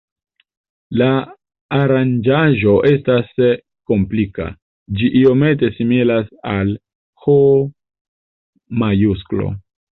La aranĝaĵo estas komplika, ĝi iomete similas al H-majusklo.